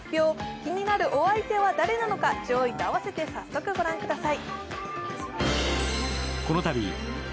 気になるお相手は誰なのか、上位と併せて早速御覧ください。